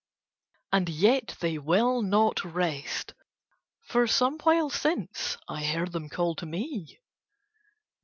And yet they will not rest, for some while since I heard them call to me.